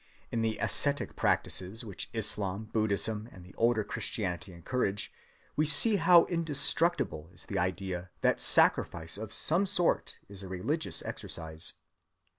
In the ascetic practices which Islam, Buddhism, and the older Christianity encourage we see how indestructible is the idea that sacrifice of some sort is a religious exercise.